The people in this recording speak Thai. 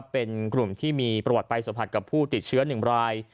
เป็นกลุ่มที่มีประวัติไปสัมผัสกับผู้ติดเชื้อ๑ราย